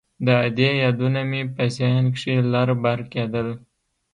د ادې يادونه مې په ذهن کښې لر بر کېدل.